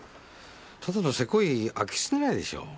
ただのセコイ空き巣狙いでしょ。